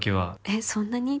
「えっそんなに？」